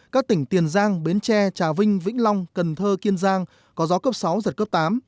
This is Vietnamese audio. các tỉnh tiền giang bến tre trà vinh vĩnh long cần thơ kiên giang có gió cấp sáu giật cấp tám